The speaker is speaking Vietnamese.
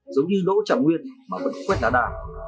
giống như đỗ chẳng nguyên mà vẫn quét đá đà